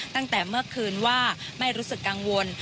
ตั้งแต่เมื่อคืนว่าไม่รู้สึกกังวล